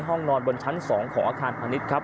ห้องนอนบนชั้น๒ของอาคารพาณิชย์ครับ